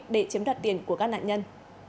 để chiếm đặt tiền của các nạn nhân